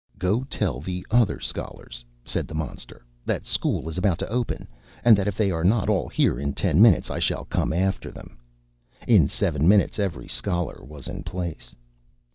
"Go tell the other scholars," said the monster, "that school is about to open, and that if they are not all here in ten minutes, I shall come after them." In seven minutes every scholar was in place.